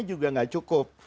juga tidak cukup